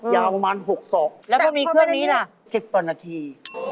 ยาวประมาณ๖๒แล้วก็มีเครื่องนี้นะแล้วก็มีเครื่องนี้นะ